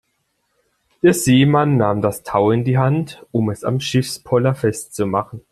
Der Seemann nahm das Tau in die Hand, um es am Schiffspoller festzumachen.